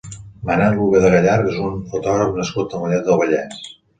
Manel Úbeda Gallart és un fotògraf nascut a Mollet del Vallès.